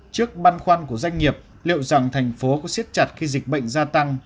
trước băn khoăn của doanh nghiệp liệu rằng thành phố có xiết chặt khi dịch bệnh gia tăng